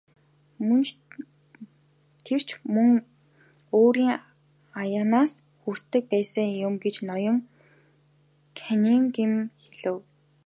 Тэр ч мөн өөрийн аяганаас хүртдэг байсан юм гэж ноён Каннингем хэлэв.